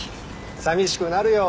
さみしくなるよ。